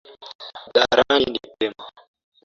Hadharani ni pema.